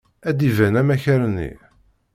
Ad d-iban umakar-nni.